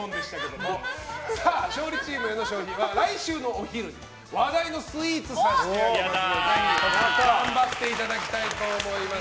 勝利チームへの商品は来週のお昼、話題のスイーツを差し上げますので頑張っていただきたいと思います。